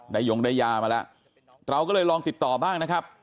ยงได้ยามาแล้วเราก็เลยลองติดต่อบ้างนะครับ